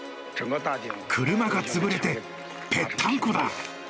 車が潰れてぺったんこだ。